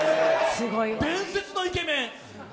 伝説のイケメン。